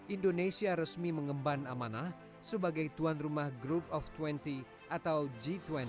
indonesia resmi mengemban amanah sebagai tuan rumah group of dua puluh atau g dua puluh